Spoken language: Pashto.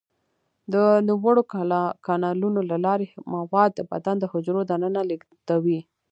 د نوموړو کانالونو له لارې مواد د بدن د حجرو دننه لیږدوي.